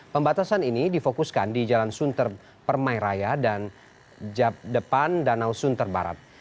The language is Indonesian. pembatasan ini difokuskan di jalan sunter permai raya dan depan danau sunter barat